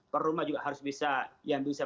per rumah juga harus bisa